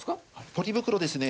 ポリ袋ですね